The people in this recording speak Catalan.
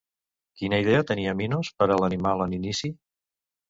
Quina idea tenia Minos per a l'animal en inici?